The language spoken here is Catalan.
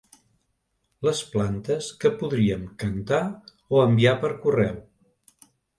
Les plantes que podríem cantar o enviar per correu.